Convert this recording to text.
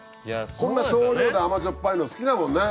こんな少量で甘じょっぱいの好きだもんね。